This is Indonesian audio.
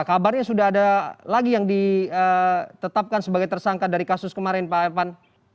kabarnya sudah ada lagi yang ditetapkan sebagai tersangka dari kasus kemarin pak ervan